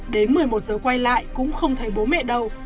đến một mươi một giờ quay lại cũng không thấy bố mẹ đâu